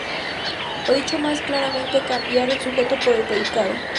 O dicho más claramente cambiar el sujeto por el predicado.